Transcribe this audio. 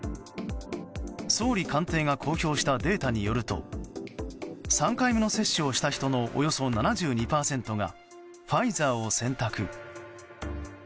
総理官邸が公表したデータによると３回目の接種をした人のおよそ７２％がファイザーを選択。